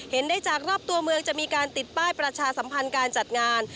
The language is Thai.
เห็นได้จากรอบตัวเมืองจะมีการติดป้ายประชาสัมพันธ์การจัดงาน